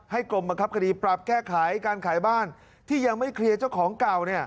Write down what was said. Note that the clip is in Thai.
กรมบังคับคดีปรับแก้ไขการขายบ้านที่ยังไม่เคลียร์เจ้าของเก่า